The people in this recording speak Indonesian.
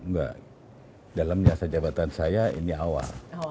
enggak dalam jasa jabatan saya ini awal